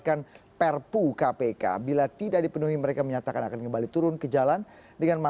masih belum mendengar